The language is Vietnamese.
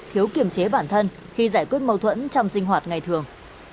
thiếu kiểm chế bản thân khi giải quyết mâu thuẫn trong sinh hoạt ngày thường